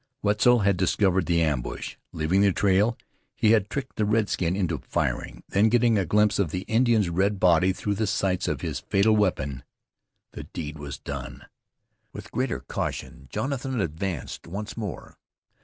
Wetzel had discovered the ambush. Leaving the trail, he had tricked the redskin into firing, then getting a glimpse of the Indian's red body through the sights of his fatal weapon, the deed was done. With greater caution Jonathan advanced once more.